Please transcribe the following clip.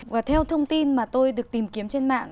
và theo thông tin mà tôi được tìm kiếm trên mạng